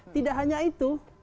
tidak hanya itu